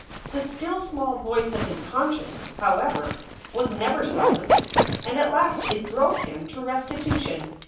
The still small voice of his conscience, however, was never silenced, and at last it drove him to restitution.